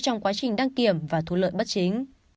trong quá trình đăng kiểm và thu lợi bất chính